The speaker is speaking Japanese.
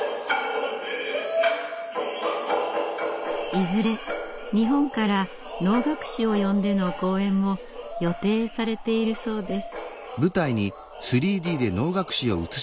いずれ日本から能楽師を呼んでの公演も予定されているそうです。